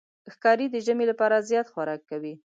ښکاري د ژمي لپاره زیات خوراک کوي.